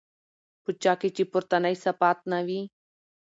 په چا كي چي پورتني صفات نه وي